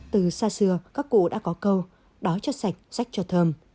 từ xa xưa các cụ đã có câu đó cho sạch sách cho thơm